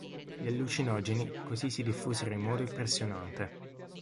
Gli allucinogeni così si diffusero in modo impressionante.